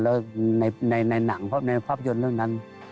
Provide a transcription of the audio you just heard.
แล้วในหนังในภาพยนตร์เรื่องนั้น